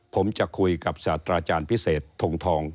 ผมจะคุยกับสัตว์อาจารย์พิเศษธงทอง